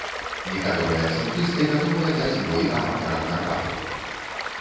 Некаторыя цэнтрысты гатовыя даць бой аматарам гарбаты.